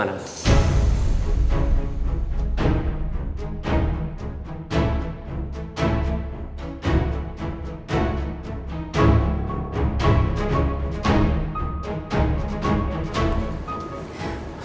gue gak pernah bilang